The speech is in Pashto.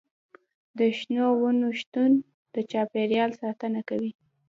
د شنو ونو شتون د چاپیریال ساتنه کوي.